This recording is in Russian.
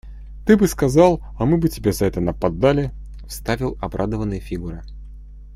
Ты бы сказал, а мы бы тебе за это наподдали, – вставил обрадованный Фигура.